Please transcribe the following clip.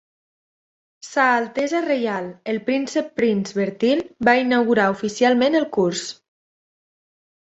Sa Altesa Reial el Príncep Prince Bertil va inaugurar oficialment el curs.